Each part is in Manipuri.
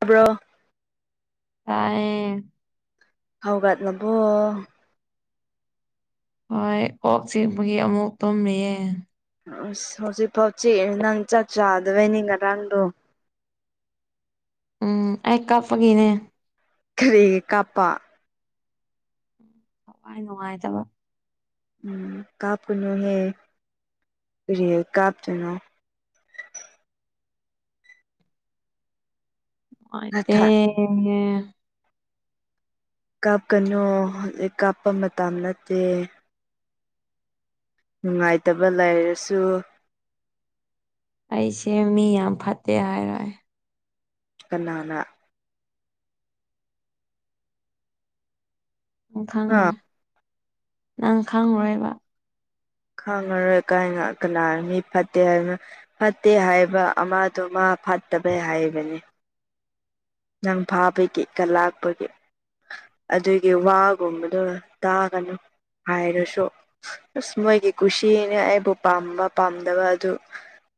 ꯈꯕ꯭ꯔꯣ ꯇꯌꯦ ꯍꯧꯒꯠꯂꯕꯣ ꯍꯣꯏ ꯀꯣꯛ ꯆꯤꯛꯄꯒꯤ ꯑꯃꯨꯛ ꯇꯨꯝꯃꯤꯌꯦꯦ ꯑꯁ ꯍꯧꯖꯤꯛꯐꯥꯎ ꯆꯤꯛꯏ ꯅꯪ ꯆꯥꯛ ꯆꯥꯗꯕꯩꯅꯤ ꯉꯔꯥꯡꯗꯣ ꯎꯝ ꯑꯩ ꯀꯞꯄꯒꯤꯅꯦ ꯀꯔꯤꯒꯤ ꯀꯞꯄ ꯊꯋꯥꯏ ꯅꯨꯡꯉꯥꯏꯇꯕ ꯎꯝ ꯀꯥꯞꯀꯅꯨꯅ‌ꯦ ꯔꯤꯌꯦꯜ ꯀꯥꯞꯇꯨꯏꯅꯣ ꯅꯨꯡꯉꯥꯏꯇꯦ ꯅꯊꯥ ꯀꯞꯀꯅꯨ ꯀꯞꯄ ꯃꯇꯝ ꯅꯠꯇꯦ ꯅꯨꯡꯉꯥꯏꯇꯕ ꯂꯩꯔꯁꯨ ꯑꯩꯁꯦ ꯃꯤ ꯌꯥꯝ ꯐꯠꯇꯦ ꯍꯥꯏꯔꯣꯏ ꯀꯅꯥꯅ ꯅꯪ ꯑ ꯈꯪꯉꯣꯏ ꯅꯪ ꯈꯪꯔ‌ꯣꯏꯕ ꯈꯪꯉꯔꯣꯏ ꯀꯥꯏꯅ ꯀꯅꯥ ꯃꯤ ꯐꯠꯇꯦ ꯍꯥꯏꯕ ꯐꯠꯇꯦ ꯍꯥꯏꯕ ꯑꯃꯗꯨ ꯃꯥ ꯐꯠꯇꯕꯩ ꯍꯥꯏꯕꯅꯦ ꯅꯪ ꯐꯥꯕꯒꯤ ꯀꯜꯂꯥꯛꯄꯒꯤ ꯑꯗꯨꯒꯤ ꯋꯥꯒꯨꯝꯕꯗꯣ ꯇꯥꯒꯅꯨ ꯍꯥꯏꯔꯁꯨ ꯑꯁ ꯃꯣꯏꯒꯤ ꯀꯨꯁꯤꯅꯤ ꯑꯩꯕꯨ ꯄꯥꯝꯕ ꯄꯥꯝꯗꯕ ꯑꯗꯨ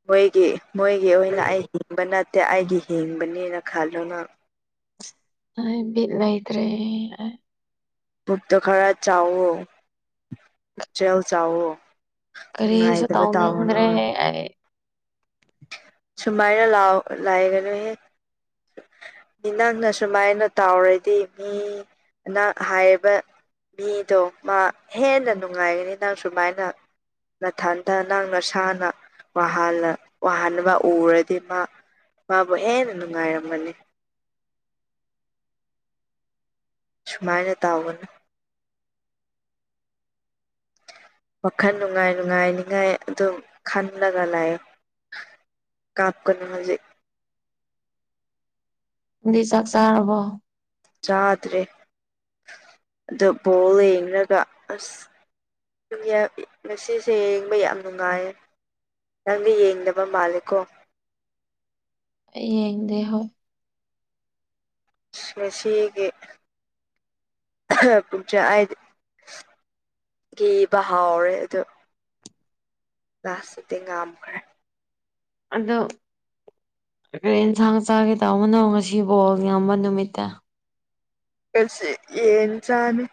ꯃꯣꯏꯒꯤ ꯃꯣꯏꯒꯤ ꯑꯣꯏꯅ ꯑꯩ ꯍꯤꯡꯕ ꯅꯠꯇꯦ ꯑꯩꯒꯤ ꯍꯤꯡꯕꯅꯦꯅ ꯈꯜꯂꯨ ꯅꯪ ꯑ ꯕꯤꯠ ꯂꯩꯇꯔꯦ ꯄꯨꯛꯇ‌ꯣ ꯈꯔ ꯆꯥꯎꯑꯣ ꯄꯨꯛꯆꯦꯜ ꯆꯥꯎꯑꯣ ꯀꯔꯤꯁꯨ ꯅꯨꯡꯉꯥꯏꯗꯕ ꯇꯥꯑꯣꯅꯣ ꯇꯧꯅꯤꯡꯗ꯭ꯔꯦ ꯑꯩ ꯁꯨꯃꯥꯏꯅ ꯂꯥꯎ ꯂꯥꯏꯒꯅꯨꯍꯦ ꯃꯤ ꯅꯪꯅ ꯁꯨꯃꯥꯏꯅ ꯇꯧꯔꯗꯤ ꯃꯤ ꯑ ꯍꯥꯏꯥꯏꯕ ꯃꯤꯗꯣ ꯃꯥ ꯍꯦꯟꯅ ꯅꯨꯡꯉꯥꯏꯒꯅꯤ ꯅꯪ ꯁꯨꯃꯥꯏꯅ ꯅꯊꯟꯊ ꯅꯪ ꯅꯁꯥꯅ ꯋꯥꯍꯟꯕ ꯎꯔꯗꯤ ꯃꯥ ꯃꯥꯕꯨ ꯍꯦꯟꯅ ꯅꯨꯡꯉꯥꯏꯔꯝꯃꯅꯤ ꯁꯨꯃꯥꯏꯅ ꯇꯥꯒꯅ ꯋꯥꯈꯜ ꯅꯨꯡꯉꯥꯏ ꯅꯨꯡꯉꯥꯏꯅꯤꯉꯥꯏ ꯑꯗꯨꯝ ꯈꯜꯂꯒꯥ ꯂꯥꯛꯑꯦ ꯀꯥꯞꯀꯅꯨ ꯍꯧꯖꯤꯛ ꯗꯤ ꯆꯥꯛ ꯆꯥꯔꯔꯕꯣ ꯆꯥꯗ꯭ꯔꯦ ꯑ ꯕꯣꯜ ꯌꯦꯡꯂꯒ ꯑꯁ ꯉꯁꯤꯁꯦ ꯌꯦꯡꯕ ꯌꯥꯝ ꯅꯨꯡꯉꯥꯏꯌꯦ ꯅꯪꯗꯤ ꯌꯦꯡꯗꯕꯥ ꯃꯥꯜꯂꯦꯀꯣ ꯌꯦꯡꯗꯦ ꯍꯣꯏ ꯉꯁꯤꯁꯤꯒꯤ ꯄꯨꯖ ꯍꯥꯏꯗꯤ ꯒꯤ ꯍꯥꯎꯔꯦ ꯑꯗꯣ ꯂꯁ ꯇꯦꯡ ꯉꯝꯈ꯭ꯔꯦ ꯑꯗꯣ ꯀ ꯏꯟꯁꯥꯡ ꯆꯥꯈꯤꯦ ꯇꯧꯕ ꯃꯅ ꯉꯁꯤꯐꯥꯎ ꯌꯥꯝꯕ ꯅꯨꯃꯤꯠꯇ ꯁꯤ ꯌꯦꯟ ꯆꯅꯤ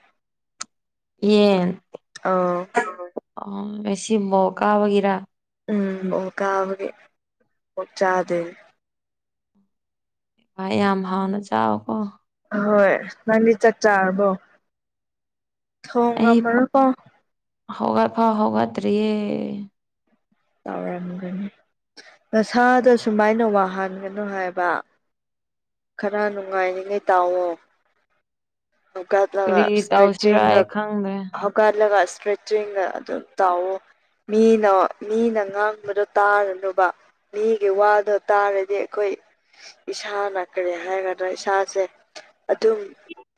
ꯌꯦ ꯑꯥ ꯑꯥ ꯁꯤꯃꯣ ꯀꯥꯕꯒꯤꯔ ꯎꯝ ꯑꯣ ꯀꯥꯕꯒꯤꯦ ꯑꯣ ꯆꯥꯗꯦ ꯏꯚꯥꯏ ꯌꯥꯝ ꯍꯥꯎꯅ ꯆꯥꯎꯋꯀꯣ ꯑꯍꯣꯏ ꯅꯪꯗꯤ ꯆꯥꯛ ꯆꯥꯔꯕꯣ ꯊꯣꯡꯉꯝꯃꯔꯣꯀꯣ ꯍꯒ ꯐ ꯍꯒꯇꯔꯤ ꯇꯧꯔꯝꯒꯅꯤ ꯅꯁꯥꯗ ꯁꯨꯃꯥꯏꯅ ꯋꯥꯍꯟꯒꯅꯨ ꯍꯥꯏꯕ ꯈꯔ ꯅꯨꯡꯉꯥꯏꯔꯤꯉꯩ ꯇꯥꯑꯣ ꯍꯒꯥꯂꯒ ꯀꯔꯤ ꯁꯇ꯭ꯔꯦꯆ ꯇꯧꯁꯤꯔ ꯑꯩ ꯈꯪꯗ꯭ꯔꯦ ꯍꯒꯥꯂꯒ ꯏꯁꯇ꯭ꯔꯦꯆꯤꯡꯒ ꯑꯗꯨꯝ ꯇꯥꯎꯑꯣ ꯃꯤꯅ ꯃꯤꯅ ꯉꯥꯡꯕꯗꯣ ꯇꯥꯔꯅꯨꯕ ꯃꯤꯒꯤ ꯋꯥꯗꯣ ꯇꯥꯔꯗꯤ ꯑꯩꯈꯣꯏ ꯏꯁꯥꯅ ꯀꯔꯤꯦ ꯍꯥꯏꯔꯒꯗ꯭ꯔ ꯏꯁꯥꯁꯦ ꯑꯗꯨꯝ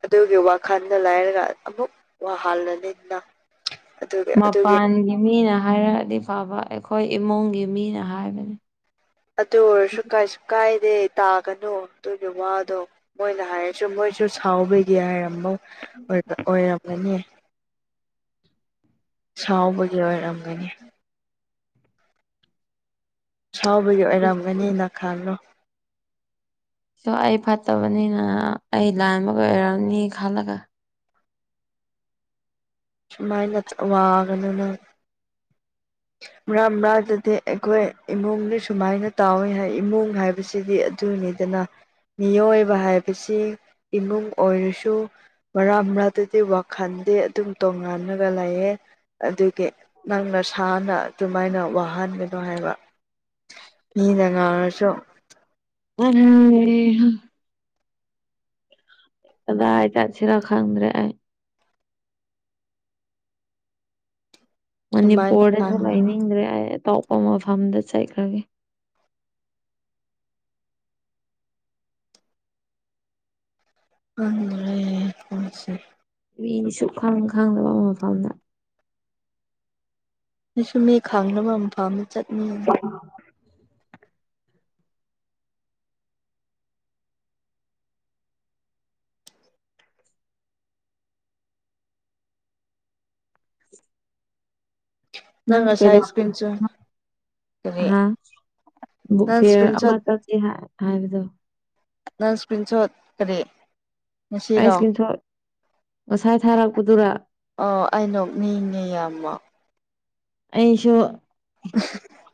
ꯑꯗꯨꯒꯤ ꯋꯥꯈꯜꯗ ꯂꯥꯏꯔꯒ ꯑꯃꯨꯛ ꯋꯥꯍꯜꯂꯅꯤꯅ ꯑꯗꯨꯒꯤ ꯑꯗꯨꯒꯤ ꯃꯄꯥꯟꯒꯤ ꯃꯤꯅꯥ ꯍꯥꯏꯔꯛꯑꯗꯤ ꯐꯕ ꯑꯩꯈꯣꯏ ꯏꯃꯨꯡꯒꯤ ꯃꯤꯅꯥ ꯍꯥꯏꯕꯅꯤ ꯑꯗꯨ ꯑꯣꯏꯔꯁꯨ ꯀꯥꯏꯁꯨ ꯀꯥꯏ ꯗ ꯇꯥꯒꯅꯨ ꯑꯗꯨꯒꯤ ꯋꯥꯗꯣ ꯃꯣꯏꯅ ꯍꯥꯏꯔꯁꯨ ꯃꯣꯏꯁꯨ ꯁꯥꯎꯕꯒꯦ ꯍꯥꯏꯔꯝꯃꯣ ꯑꯣꯏꯔꯝꯂꯅꯤ ꯁꯥꯎꯕꯒꯤ ꯑꯣꯏꯔꯝꯒꯅꯤ ꯁꯥꯎꯕꯒꯤ ꯑꯣꯏꯔꯝꯒꯅꯦꯅ ꯈꯜꯂꯣ ꯁ ꯑꯩ ꯐꯠꯇꯕꯅꯤꯅ ꯑꯩ ꯂꯥꯟꯕꯒ ꯑꯣꯏꯔꯝꯅꯤ ꯈꯜꯂꯒ ꯁꯨꯃꯥꯏꯅ ꯋꯥꯒꯅꯅ [inaudible] ꯃꯔꯥꯡ ꯃꯔꯥꯗꯗꯤ ꯑꯩꯈꯣꯏ ꯏꯃꯨꯡꯅ ꯁꯨꯃꯥꯏꯅ ꯇꯥꯎꯋꯤ ꯍꯥꯏ ꯏꯃꯨꯡ ꯍꯥꯏꯕꯁꯤꯗꯤ ꯑꯗꯨ ꯅꯤꯗꯅ ꯃꯤꯑꯣꯏꯕ ꯍꯥꯏꯕꯁꯤ ꯏꯃꯨꯡ ꯑꯣꯏꯔꯁꯨ ꯃꯔꯥꯡ ꯃꯔꯇꯗꯤ ꯋꯥꯈꯟꯗꯦ ꯑꯗꯨꯝ ꯇꯣꯡꯉꯥꯟꯜꯂꯒ ꯂꯩꯌꯦ ꯑꯗꯨꯒꯤ ꯅꯪꯅ ꯁꯥꯅ ꯑꯗꯨꯃꯥꯏꯅ ꯋꯥꯍꯟꯒꯅꯣ ꯍꯥꯏ ꯃꯤꯅ ꯉꯥꯡꯔꯁꯨ [unintelligible] ꯀꯗꯥꯏꯗ ꯆꯠꯁꯤꯔ ꯈꯪꯗ꯭ꯔꯦ ꯑꯩ ꯁꯨꯃꯥꯏꯅ ꯃꯅꯤꯄꯨꯔꯗꯁꯨ ꯈꯟꯒꯅꯨ ꯂꯩꯅꯤꯡꯗꯔꯦ ꯑꯩ ꯑꯇ‌ꯣꯞ ꯇ‌ꯣꯞꯄ ꯃꯐꯝꯗ ꯆꯠꯈ꯭ꯔꯅꯤ [unintelligible] ꯃꯤꯅ ꯁꯨꯈꯪ ꯈꯪꯗꯕ ꯃꯐꯝꯗ ꯑꯩꯁꯨ ꯃꯤ ꯈꯪꯗꯕ ꯃꯐꯝꯗ ꯆꯠꯅꯤꯡꯉ‌ꯦ ꯅꯪ ꯉꯁꯥꯏ ꯏꯁꯀꯔꯤꯟꯆꯣ ꯀꯔꯤ ꯍꯥ ꯕꯨꯛ ꯅꯪ ꯐꯤꯌꯔ ꯑꯃ ꯏꯁꯀꯔꯤꯟꯁ‌ꯣꯠ ꯆꯠꯁꯦ ꯍꯥꯏ ꯍꯥꯏꯕꯗꯣ ꯅꯪ ꯏꯁꯀꯔꯤꯟꯁꯣꯠ ꯀꯔꯤ ꯑꯩ ꯏꯁꯀ꯭ꯔꯤꯟꯁ‌ꯣꯠ ꯑꯣ ꯑꯩꯩ ꯅꯣꯛꯅꯤꯡꯉ‌ꯦ ꯌꯥꯝꯃꯣ ꯑꯩꯁꯨ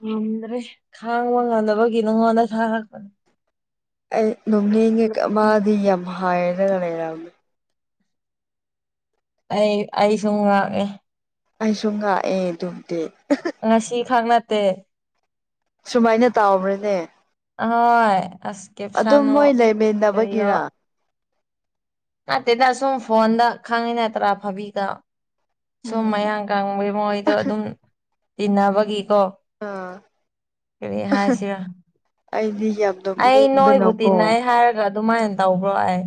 ꯉꯝꯗ꯭ꯔꯦ ꯈꯥꯡꯕ ꯉꯝꯗꯕꯒꯤ ꯅꯪꯉꯣꯟꯗ ꯁꯥꯔꯛꯄꯅꯦ ꯑꯩ ꯅ‌ꯣꯛꯅꯤꯡꯉ‌ꯦ ꯀ ꯃꯥꯗꯤ ꯌꯥꯝ ꯍꯥꯏꯔ ꯂꯩꯔꯝꯃꯤ ꯑꯩ ꯑꯩ ꯁꯨꯡ ꯉꯥꯛꯑꯦ ꯑꯩ ꯁꯨ ꯉꯥꯛꯑꯦ ꯑꯗꯨꯕꯨꯗꯤ ꯉꯁꯤ ꯈꯛ ꯅꯠꯇ‌ꯦ ꯁꯨꯃꯥꯏꯅ ꯇꯥꯎꯕ꯭ꯔꯅꯦ ꯑꯍꯣꯏ ꯑꯁ ꯑꯗꯨꯝ ꯀꯦꯞꯁꯥꯅꯣ ꯃꯣꯏ ꯀꯔꯤꯌꯣ ꯂꯩꯃꯦꯟꯕꯒꯤꯔ ꯅꯠꯇꯦꯗ ꯁꯨꯝ ꯐꯣꯟꯗ ꯈꯪꯉꯤ ꯅꯠꯇ꯭ꯔꯥ ꯐꯥꯕꯤꯗ ꯎꯝ ꯁꯨꯝ ꯃꯌꯥꯡ ꯀ‌ꯪꯕꯩ ꯃꯣꯏꯗ‌ꯣ ꯑꯗꯨꯝ ꯇꯤꯟꯅꯕꯒꯤ ꯀꯣ ꯑꯥ ꯀꯔꯤ ꯍꯥꯏꯁꯤꯔ ꯑꯩꯗꯤ ꯌꯥꯝ ꯑꯩ ꯅꯣꯏꯕꯨ ꯅꯣꯛꯅꯤꯡꯕꯅꯀꯣ ꯇꯤꯟꯅꯩ ꯍꯥꯏꯔꯒ ꯑꯗꯨꯃꯥꯏꯅ ꯇꯧꯕ꯭ꯔꯣ ꯑꯩ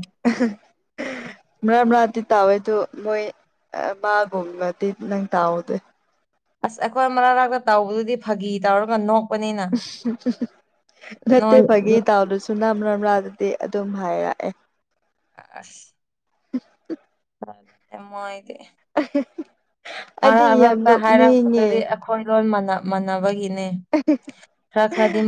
ꯃ꯭ꯔ꯭ꯝꯔꯗꯤ ꯇꯧꯋ‌ꯦ ꯑꯗꯨ ꯃꯣꯏ ꯑ ꯃꯥꯕꯨ ꯃꯇꯤꯠ ꯅꯪ ꯇꯥꯎꯗꯦ ꯑꯁ ꯑꯩꯈꯣꯏ ꯃꯔꯛ ꯃꯔꯛꯇ ꯇꯥꯎꯕꯗꯨꯗꯤ ꯐꯥꯒꯤ ꯇꯧꯔꯒ ꯅꯣꯛ ꯅꯠꯇꯦ ꯅꯣꯏ ꯐꯥꯒꯤ ꯇꯥꯎꯗꯔꯁꯨ ꯅꯝ ꯅꯝ꯭ꯔꯥ ꯗꯗꯤ ꯑꯗꯨꯝ ꯍꯥꯏꯔꯛꯑꯦ ꯑꯁ [inaudible] ꯃ ꯏꯗꯤ ꯑ ꯃꯔꯛ ꯃꯔꯛꯇ ꯍꯥꯏꯔꯛꯄꯗꯗꯤ ꯑꯩꯈꯣꯏ ꯂꯣꯟ ꯃꯥꯟꯅꯕꯒꯤꯅꯤ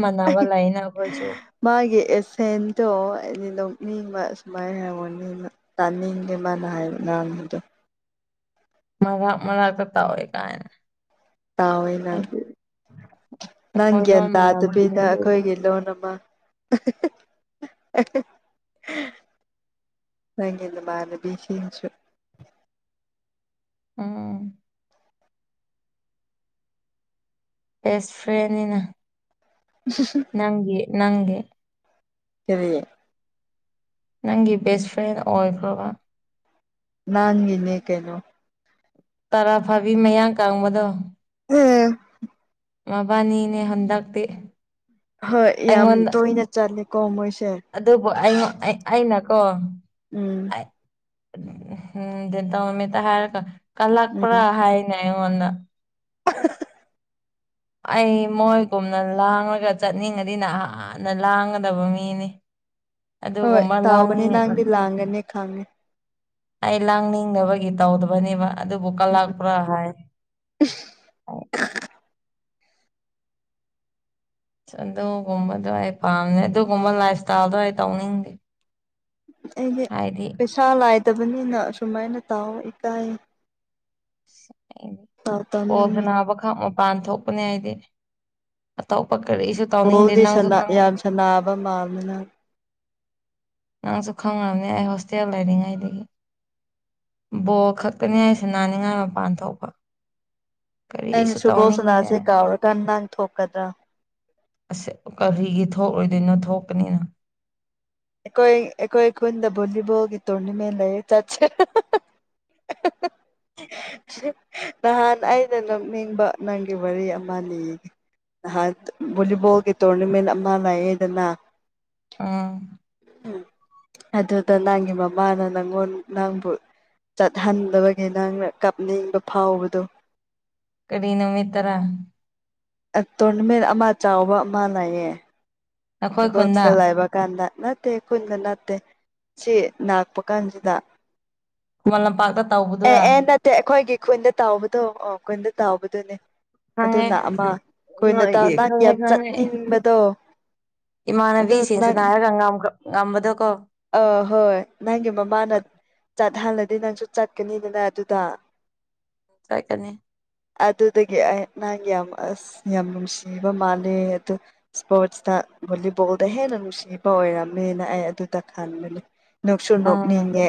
ꯃꯥꯟꯅꯕ ꯂꯩꯅ ꯑꯩꯈꯣꯏꯁꯨ [inaudible] ꯃꯥꯒꯤ ꯑꯦꯁꯦꯟꯗꯣ ꯍꯥꯏꯗꯤ ꯂꯧꯣꯛꯅꯤꯡꯕ ꯁꯨꯃꯥꯏꯅ ꯍꯡꯉꯅꯤ ꯇꯥꯅꯤꯡꯗꯦ ꯃꯥꯅ ꯍꯥꯏ ꯉꯥꯡꯕꯗꯣ ꯃꯔꯥꯛ ꯃꯔꯛꯇ ꯇꯧꯋꯦ ꯀꯥꯏꯅ ꯇꯥꯑꯣꯅ ꯍꯥꯏꯗꯤ ꯑꯩꯈꯣꯏ ꯂꯣꯟ ꯅꯪꯒꯗ ꯑꯗꯨ ꯃꯥꯟꯅꯕꯒꯤꯅꯦ ꯑꯗꯨꯕꯤꯗ ꯑꯗꯨꯗꯤ ꯑꯩꯈꯣꯏꯒꯤ ꯂꯣꯟꯣꯟ ꯑꯃ [inaudible] ꯅꯒ ꯅꯨ ꯃꯥꯅꯚꯤꯁꯤꯤꯁꯨ ꯑꯝ ꯦꯁ ꯐ꯭ꯔꯦꯟꯅꯤꯅ ꯅꯪꯦ ꯅꯪꯦ ꯁꯤꯔꯤꯌꯦ ꯅꯪꯒꯤ ꯕꯦꯁ ꯐ꯭ꯔꯦꯟ ꯑꯣꯏꯈ꯭ꯔꯕ ꯅꯥꯟꯒꯤꯅꯦ ꯀꯩꯅꯣ ꯇꯔꯥ ꯐꯥꯕꯤ ꯃꯌꯥꯡ ꯀꯕꯗꯣ ꯑꯦ ꯃꯕꯥꯅꯤꯅꯦ ꯍꯟꯗꯛꯇꯤ ꯍꯣꯏ ꯌꯥꯝ ꯑꯩꯉꯣꯟꯗ ꯇꯣꯏꯅ ꯆꯠꯂꯦꯀꯣ ꯃꯣꯏꯁꯦ ꯑꯗꯨꯕꯨꯉ ꯑꯩꯅꯀꯣ ꯎꯝ ꯑꯩ ꯎꯝ ꯗ ꯇꯧꯃꯤꯠꯇ ꯍꯥꯏꯔꯒ ꯀꯂꯥꯛ ꯄꯨꯔꯥ ꯎꯝ ꯍꯥꯏꯅ ꯑꯩꯉꯣꯟꯗ [unintelligible] ꯑꯩ ꯃꯣꯏꯒꯨꯝꯅ ꯂꯥꯡꯂꯒ ꯆꯠꯅꯤꯡꯉꯗꯤꯅ ꯍꯍꯥꯟꯅ ꯂꯥꯡꯒꯗꯕ ꯃꯤꯅꯤ ꯍꯣꯏ ꯑꯗꯨꯒꯨꯝꯕ ꯇꯥꯎꯕꯅꯤ ꯂꯥꯡꯅꯤꯡ ꯂꯥꯡꯗꯤꯦ ꯂꯥꯡꯒꯅꯤ ꯈꯥꯡꯅꯤꯦ ꯑꯩ ꯂꯥꯡꯅꯤꯡꯗꯅꯕꯒꯤ ꯇꯧꯗꯕꯅꯦꯕ ꯑꯗꯨ ꯑꯗꯨ ꯀꯥ ꯂꯥꯛ ꯄꯨ ꯍꯥꯏꯥꯏ ꯑꯗꯨꯒꯨꯝꯕꯗꯣ ꯑꯩ ꯄꯥꯝꯃꯦ ꯑꯗꯨꯒꯨꯝꯕ ꯂꯥꯏꯐ ꯏꯁꯇꯥꯏꯜꯗꯣ ꯑꯩ ꯇꯧꯅꯤꯡꯗꯦ ꯑꯩꯒꯤ ꯍꯥꯏꯗꯤ ꯄꯩꯁꯥ ꯂꯥꯏꯗꯕꯅꯤꯅ ꯑꯁꯨꯃꯥꯏꯅ ꯇꯥꯎꯑꯣ ꯏꯀꯥꯏ ꯇꯥꯎ ꯇꯥꯅꯤꯡꯉꯤ ꯣꯁꯅꯕ ꯈꯥ ꯃꯄꯥꯟ ꯊꯣꯛꯄꯅꯦ ꯍꯥꯏꯗꯤ ꯑꯇꯣꯞꯄ ꯀꯔꯤꯁꯨ ꯇꯧꯅꯤꯡꯗꯦ ꯍꯣꯗꯤ ꯅꯪꯁꯨ ꯈꯪ ꯌꯥꯝ ꯁꯥ ꯅꯥꯕ ꯃꯥꯜꯅꯤꯅ ꯅꯪꯁꯨ ꯈꯪꯉꯕꯅꯤ ꯑꯩ ꯍꯣꯁꯇꯦꯜ ꯂꯩꯔꯤꯉꯩꯗꯒꯤ ꯕꯣꯜ ꯈꯛꯇꯅꯤ ꯍꯥꯏꯁ ꯅꯥꯅꯤꯡꯉꯥꯏ ꯃꯄꯥꯟ ꯊꯣꯛꯄ ꯀꯔꯤꯁꯨ ꯑꯩꯅ ꯁꯨꯕꯣꯜ ꯇꯧꯅꯤꯡꯗꯦ ꯁꯅꯥꯁꯦ ꯀꯥꯎꯔꯀꯥꯟ ꯅꯪ ꯊꯣꯛꯀꯗ꯭ꯔꯥ ꯑꯁ ꯀꯔꯤꯒꯤ ꯊꯣꯛꯂꯣꯏꯗꯣꯏꯅꯣ ꯊꯣꯛꯀꯅꯤꯅ ꯑꯩꯈꯣꯏ ꯑꯩꯈꯣꯏ ꯈꯨꯨꯟꯗ ꯚꯣꯂꯤꯕꯣꯜꯒꯤ ꯇꯣꯔꯅꯤꯃꯦꯟ ꯂꯩ ꯆꯠꯁ [inaudible] ꯁꯤ ꯅꯍꯥꯟ ꯑꯩꯅ ꯅꯅꯤꯡꯕ ꯅꯪꯒꯤ ꯋꯥꯔꯤ ꯑꯃ ꯂꯤꯒꯦ ꯅꯍꯥꯟ ꯚꯣꯂꯤꯕꯣꯜꯒꯤ ꯇꯣꯔꯅꯃꯦꯟ ꯑꯃ ꯂꯥꯛꯑꯗꯅ ꯑꯥ ꯎ ꯑꯗꯨꯗ ꯅꯪꯒꯤ ꯃꯃꯥꯅ ꯅꯪꯉꯣꯟ ꯅꯪꯕꯨ ꯆꯠꯍꯟꯗꯕꯒꯤ ꯅꯪꯅ ꯀꯥꯞꯅꯤꯡꯕ ꯐꯥꯎꯕꯗꯣ ꯀꯔꯤꯅꯃꯤ ꯇꯔꯥ ꯇꯣꯔꯅꯃꯦꯟ ꯑꯃ ꯆꯥꯎꯕ ꯑꯃ ꯂꯩꯌꯦ ꯅꯈꯣꯏ ꯈꯨꯟꯗ ꯣꯁ ꯂꯕ ꯀꯥꯟꯗ ꯅꯠꯇꯦ ꯈꯨꯟꯗ ꯅꯠꯇꯦ ꯁꯤ ꯂꯥꯛꯄ ꯀꯥꯟꯁꯤꯗ ꯈꯨꯃꯟ ꯂꯝꯄꯥꯛꯇ ꯑꯦ ꯇꯧꯕꯗꯨꯔꯥ ꯑꯦ ꯅꯠꯇꯦ ꯑꯩꯈꯣꯏꯒꯤ ꯈꯨꯣꯏꯟꯗ ꯇꯥꯎꯕꯗꯣ ꯑꯣ ꯈꯨꯣꯏꯟꯗ ꯇꯥꯎꯕꯗꯨꯅꯦ ꯈꯪꯉꯦ ꯑꯗꯨꯅ ꯑꯃ ꯑꯩꯈꯣꯏꯅ ꯇ ꯅꯣꯏꯒꯤ ꯅꯪ ꯌꯥꯝ ꯆꯠꯅꯤꯡꯕꯗꯣ ꯑꯗꯨ ꯅꯪ ꯏꯃꯥꯟꯅꯕꯤꯁꯤꯡꯁꯤꯅ ꯍꯥꯏꯔꯒ ꯉꯝꯕꯗꯣꯀꯣ ꯑ ꯍꯣꯏ ꯅꯪꯒꯤ ꯃꯃꯥꯅ ꯆꯠꯍꯜꯂ ꯑꯗꯨꯗꯤ ꯅꯪꯁꯨ ꯆꯠꯀꯅꯤꯗꯅ ꯑꯗꯨꯗ ꯇꯥꯏꯀꯅꯤ ꯑꯗꯨꯗꯒꯤ ꯑꯩ ꯅꯪ ꯌꯥꯝ ꯑꯁ ꯌꯥꯝ ꯅꯨꯡꯁꯤꯕ ꯃꯥꯂꯦ ꯑꯗꯨ ꯏꯁꯄꯣꯔꯠꯁꯇ ꯚꯣꯂꯤꯕꯣꯜꯗ ꯍꯦꯟꯅ ꯅꯨꯡꯁꯤꯕ ꯑꯣꯏꯔꯝꯃꯦꯅ ꯑꯩ ꯑꯗꯨ ꯇ ꯈꯥꯟꯃꯤ ꯅꯁꯨ ꯎꯝ ꯅꯣꯛꯅꯤꯡꯒꯦ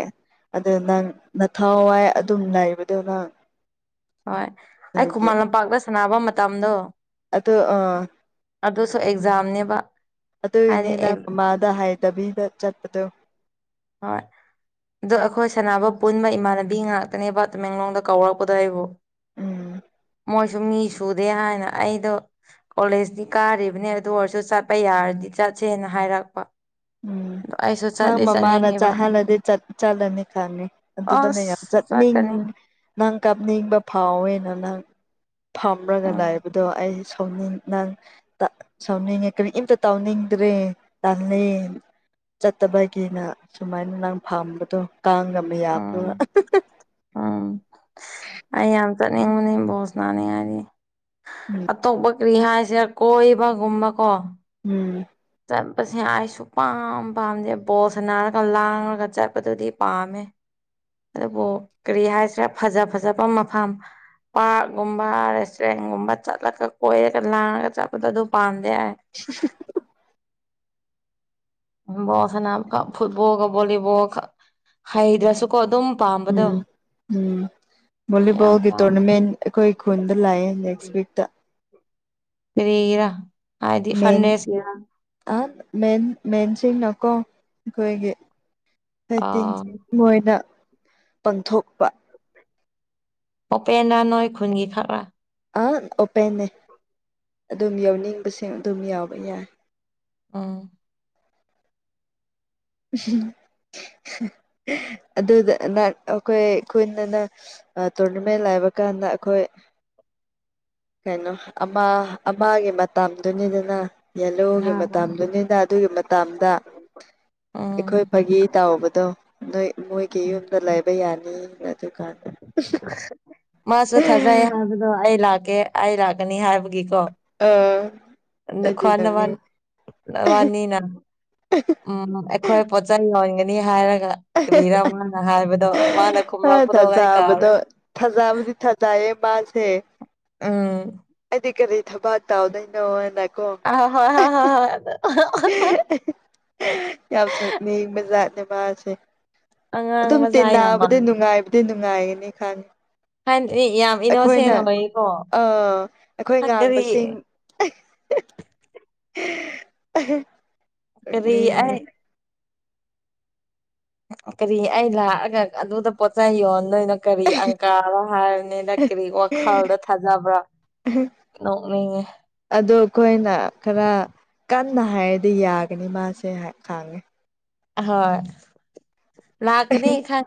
ꯑꯗꯨ ꯅꯪ ꯅꯊꯥꯋꯥꯏ ꯑꯗꯨꯝ ꯂꯩꯕꯗꯣ ꯅꯪ ꯍꯣꯏ ꯑꯩ ꯈꯨꯃꯟ ꯂꯝꯄꯥꯛꯇ ꯁꯥꯟꯅꯕ ꯃꯇꯝꯗꯣ ꯑꯗꯣ ꯑ ꯑꯗꯨꯁꯨ ꯑꯦꯛꯖꯥꯝꯅꯦꯕ ꯑꯗꯨ ꯍꯥꯏꯗꯤ ꯏꯅꯦꯅ ꯃꯥꯗ ꯍꯥꯏꯗꯕꯤꯗ ꯆꯠꯄꯗꯨ ꯍꯣꯏ ꯑꯗꯣ ꯑꯩꯈꯣꯏ ꯁꯥꯟꯅꯕ ꯄꯨꯟꯕ ꯏꯃꯥꯟꯅꯕꯤ ꯉꯥꯛꯇꯅꯦꯕ ꯇꯃꯦꯡꯂꯣꯡꯗ ꯀꯧꯔꯛꯄꯗꯣ ꯑꯩꯕꯨ ꯎꯝ ꯃꯣꯏꯁꯨ ꯃꯤ ꯁꯨꯗꯦ ꯍꯥꯏꯅ ꯑꯩꯗꯣ ꯀꯣꯂꯦꯖꯇꯤ ꯀꯥꯔꯤꯕꯅꯦ ꯑꯗꯨ ꯑꯣꯏꯔꯁꯨ ꯆꯠꯄ ꯌꯥꯔꯗꯤ ꯆꯠꯁꯦꯅ ꯍꯥꯏꯔꯛꯄ ꯑꯩꯁꯣ ꯆꯗꯦ ꯃꯥꯅ ꯆꯥꯍꯜꯂꯗꯤ ꯆꯠꯂꯅꯤ ꯈꯪꯅꯤ ꯑꯗꯨꯗꯅ ꯌꯥꯝ ꯑꯁ ꯆꯠꯀꯅꯤ ꯆꯠꯅꯤꯡꯉ ꯅꯪ ꯀꯥꯞꯅꯤꯡꯕ ꯐꯥꯎꯋꯦꯅ ꯅꯪ ꯐꯝꯔꯒ ꯎꯝ ꯂꯩꯕꯗꯣ ꯑꯩ ꯁꯅꯤꯡ ꯅ ꯁꯥꯎꯅꯤꯡꯉꯦ ꯀꯔꯤ ꯏꯝꯇ ꯇꯥꯎꯅꯤꯡꯗ꯭ꯔꯦ ꯇꯥꯜꯂꯤ ꯆꯠꯇꯕꯒꯤꯅ ꯁꯨꯃꯥꯏꯅ ꯅꯪ ꯐꯥꯝꯕꯗꯣ ꯇꯥꯡꯉꯝꯕ ꯍꯥꯕ ꯎꯝ ꯆꯠꯅꯤꯡꯕꯅꯤ ꯕꯣꯁ ꯅꯥꯅꯤꯡꯉꯥꯏꯗꯤ ꯎꯝ ꯑꯇꯣꯞꯄ ꯔꯤꯍꯁꯦ ꯀꯣꯏꯕꯒꯨꯝꯕꯀꯣ ꯎꯝ ꯆꯠꯄꯁꯦ ꯑꯩꯁꯨ ꯄꯥꯝ ꯄꯥꯝꯖꯦ ꯕꯣꯜꯁꯅꯥꯔꯒ ꯂꯥꯡꯂꯒ ꯆꯠꯄꯗꯨꯗꯤ ꯄꯥꯝꯃꯦ ꯑꯗꯨꯕꯨ ꯀꯔꯤ ꯍꯥꯏꯁꯤ꯭ꯔꯦ ꯐꯖ ꯐꯖꯕ ꯃꯐꯝ ꯄꯥꯔꯛꯒꯨꯝꯕ ꯔꯦꯁꯇꯨꯔꯦꯟꯒꯨꯝꯕ ꯆꯠꯂꯒ ꯀꯣꯏꯔꯒ ꯂꯥꯡꯉꯒ ꯆꯠꯄꯗꯣ ꯑꯗꯨ ꯄꯥ ꯌꯥ ꯣ ꯁꯅꯥ ꯐꯨꯠꯕꯣꯜꯒ ꯚꯣꯂꯤꯕꯣꯜꯒ ꯍꯩꯗ꯭ꯔꯁꯨꯀꯣ ꯑꯗꯨꯝ ꯄꯥꯝꯕꯗꯣ ꯎꯝ ꯎꯝ ꯌꯥꯝ ꯚꯣꯂꯤꯕꯣꯜꯒꯤ ꯄꯥꯝꯃꯦ ꯇꯣꯔꯅꯥꯃꯦꯟ ꯑꯩꯈꯣꯏ ꯈꯨꯟꯗ ꯂꯥꯛꯑꯦ ꯅꯦꯛꯁ ꯋꯤꯛꯇ ꯐꯔ ꯍꯥꯏꯗꯤ ꯃꯦꯟ ꯐꯔꯅꯦꯁꯔ ꯑ ꯃꯦꯟ ꯃꯦꯟꯁꯤꯡꯅꯀꯣ ꯑꯩꯈꯣꯏꯒꯤ ꯂꯩꯇꯤꯟ ꯑꯥ ꯃꯣꯏꯗ ꯄꯥꯡꯊꯣꯛꯄ ꯑꯣꯄꯦꯟꯗ ꯅꯣꯏ ꯈꯨꯟꯒꯤ ꯈꯔꯥ ꯑ ꯑꯣꯄꯦꯟꯅꯦ ꯑꯗꯨꯝ ꯌꯥꯎꯅꯤꯡꯕꯁꯦ ꯑꯗꯨꯝ ꯌꯥꯎꯕ ꯌꯥꯏ ꯑꯥ ꯎꯝ ꯑꯗꯨꯗ ꯑꯩꯈꯣꯏ ꯈꯨꯟꯗꯅ ꯇꯣꯔꯅꯃꯦꯟ ꯂꯥꯛ ꯆꯕ ꯀꯥꯟꯗ ꯑꯩꯈꯣꯏ [unintelligible] ꯀꯩꯅꯣ ꯑꯃ ꯃꯇꯝꯗꯨꯅꯤꯗꯅ ꯌꯦꯜꯂꯣꯒꯤ ꯃꯇꯝꯗꯨꯅꯤꯅ ꯑꯗꯨꯒꯤ ꯃꯇꯗ ꯎꯝ ꯑꯩꯈꯣꯏ ꯐꯒꯤ ꯇꯥꯎꯕꯗꯣ ꯅꯣꯏ ꯃꯣꯏꯒꯤ ꯌꯨꯝꯗ ꯂꯩꯕ ꯌꯥꯅꯤꯅ ꯑꯗꯨꯀꯥꯟꯗ ꯃꯥꯁꯨ ꯊꯥꯖꯩ ꯍꯥꯏꯕꯗꯣ ꯑꯩ ꯂꯥꯛꯀꯦ ꯑꯩ ꯂꯥꯛꯀꯅꯤ ꯍꯥꯏꯕꯒꯤꯀꯣ ꯎꯝ ꯈꯅ ꯋꯥꯟ ꯋꯥꯅꯤꯅ ꯎꯝ ꯑꯩꯈꯣꯏ ꯄꯣꯠꯆ ꯌꯣꯟꯒꯅꯤ ꯍꯥꯏꯔꯒ ꯀꯔꯤꯔ ꯃꯥꯅ ꯍꯥꯏꯕꯗꯣ ꯃꯥꯅ ꯑꯥ ꯈꯨꯝꯂꯛꯄꯗꯣ ꯑꯩ ꯀꯥꯎꯔꯦ ꯊꯥꯖꯕꯗꯣ ꯁꯦ ꯑꯥ ꯑ ꯀꯔꯤ ꯏ ꯊꯕ ꯇꯥꯎꯗꯩꯅꯣꯅ ꯑ ꯍꯣꯏ ꯍ ꯍꯣꯏ ꯍꯣꯏ ꯑꯗꯨ ꯑꯗꯨꯣ ꯌꯥꯝ ꯗꯨꯅꯤ ꯃꯖꯥꯅꯦ ꯃꯥꯁꯦ ꯑꯉꯥꯡ ꯑꯗꯨꯝ ꯃꯆꯥ ꯌꯥꯝ ꯇꯤꯟꯅꯕꯗ ꯃꯥꯜꯂꯦ ꯅꯨꯡꯉꯥꯏꯕꯗꯤ ꯅꯨꯡꯉꯥꯏꯒꯅꯤ ꯈꯪꯉꯤ ꯑꯦ ꯌꯥꯝ ꯏꯅꯣꯁꯦꯅ ꯂꯩꯀꯣ ꯑ ꯑꯩꯈꯣꯏ ꯀꯔꯤ ꯉꯥꯡꯕꯁꯤꯡ [unintelligible] ꯀꯔꯤ ꯑꯩ ꯅꯦ ꯀꯔꯤ ꯑꯩ ꯂꯥꯛꯑꯒ ꯑꯗꯨꯗ ꯄꯣꯠꯆ ꯌꯣꯟ ꯅꯣꯏꯅꯣ ꯀꯔꯤ ꯑꯪꯀꯥꯔ ꯍꯥꯏꯔꯅꯤꯅ ꯀꯔꯤ ꯋꯥꯈꯜꯗ ꯊꯥꯖꯕ꯭ꯔꯥ ꯣꯡꯉꯉ ꯑꯗꯣ ꯑꯩꯈꯣꯏꯅ ꯈꯔ ꯀꯟꯅ ꯍꯥꯏꯔꯗꯤ ꯌꯥꯒꯅꯤ ꯃꯥꯁꯦ ꯈꯥꯡꯉꯦ ꯍꯣꯏ ꯂꯀꯅꯤ ꯈ